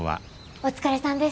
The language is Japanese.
お疲れさんです。